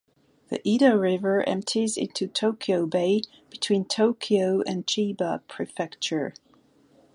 The Edo River empties into Tokyo Bay between Tokyo and Chiba Prefecture.